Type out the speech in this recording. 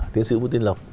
tiến sĩ vũ tuyên lộc